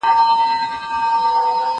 ما چي ول بالا به ته خفه يې باره ته خوشحاله وې